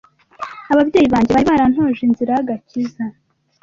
ababyeyi banjye bari barantoje inzira y’agakiza